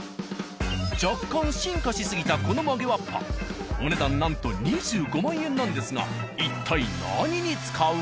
若干進化し過ぎたこの曲げわっぱお値段なんと２５万円なんですが一体何に使う？